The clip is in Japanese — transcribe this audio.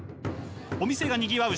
お店がにぎわう